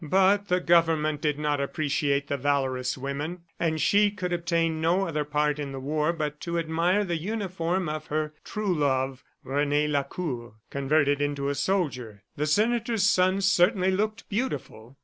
But the government did not appreciate the valorous women, and she could obtain no other part in the war but to admire the uniform of her true love, Rene Lacour, converted into a soldier. The senator's son certainly looked beautiful.